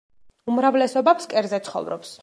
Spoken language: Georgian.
უმრავლესობა ფსკერზე ცხოვრობს.